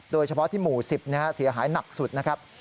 โดยเฉพาะที่หมู่๑๐เสียหายหนักสุดนะครับ